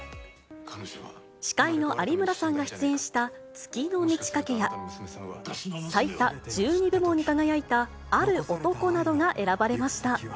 司会の有村さんが出演した月の満ち欠けや、最多１２部門に輝いた、ある男などが選ばれました。